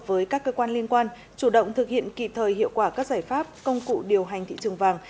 với các cơ quan liên quan chủ động thực hiện kịp thời hiệu quả các giải pháp công cụ điều hành thị trường vàng